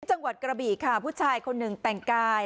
จังหวัดกระบี่ค่ะผู้ชายคนหนึ่งแต่งกาย